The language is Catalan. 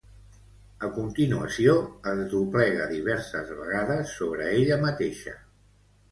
A continuació, es doblega diverses vegades sobre ella mateixa.